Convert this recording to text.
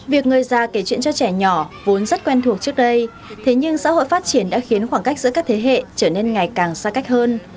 việc người già kể chuyện cho trẻ nhỏ vốn rất quen thuộc trước đây thế nhưng xã hội phát triển đã khiến khoảng cách giữa các thế hệ trở nên ngày càng xa cách hơn